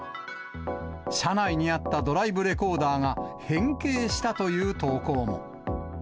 車内にあったドライブレコーダーが、変形したという投稿も。